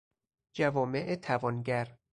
جوامع توانگر